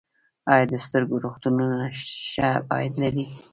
آیا د سترګو روغتونونه ښه عاید لري؟